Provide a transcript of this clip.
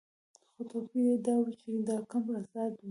خو توپیر یې دا و چې دا کمپ آزاد و.